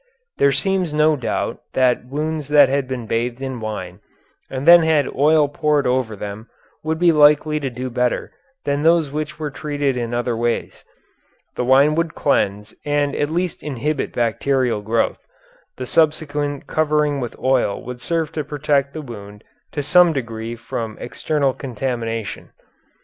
There seems no doubt that wounds that had been bathed in wine and then had oil poured over them would be likely to do better than those which were treated in other ways. The wine would cleanse and at least inhibit bacterial growth. The subsequent covering with oil would serve to protect the wound to some degree from external contamination.